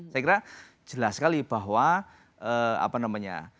saya kira jelas sekali bahwa apa namanya